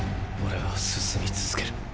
オレは進み続ける。